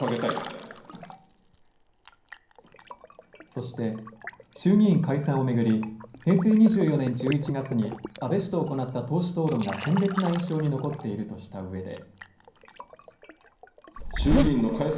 そして衆議院解散を巡り平成２４年１１月に安倍氏と行った党首討論が鮮烈な印象に残っているとしたうえで。